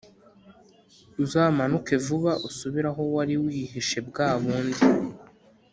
uzamanuke vuba usubire aho wari wihishe bwa bundi